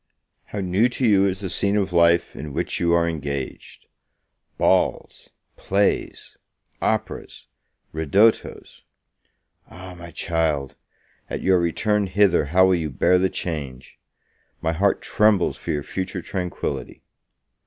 How new to you is the scene of life in which you are engaged! balls plays operas ridottos! Ah, my child! At your return hither, how will you bear the change? My heart trembles for your future tranquility.